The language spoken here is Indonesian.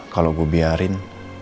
kalau gue biarin